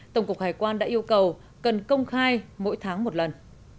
tổng cục hải quan đã yêu cầu cần công khai mỗi tháng một lần